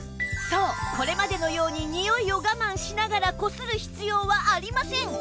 そうこれまでのようににおいを我慢しながらこする必要はありません